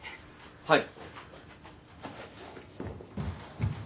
はい。